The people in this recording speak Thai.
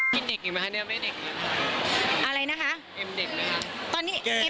มีเด็กอีกไหมคะเนี่ยไม่ได้เด็กอีกเลย